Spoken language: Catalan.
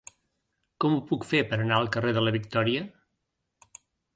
Com ho puc fer per anar al carrer de la Victòria?